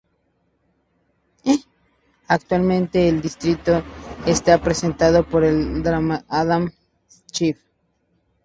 Actualmente el distrito está representado por el Demócrata Adam Schiff.